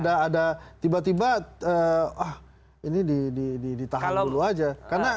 ada tiba tiba ini ditahan dulu aja